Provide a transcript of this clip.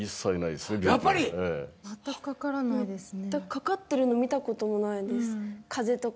かかってるの見たこともないです風邪とかも。